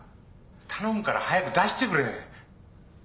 頼むから早く出してくれ。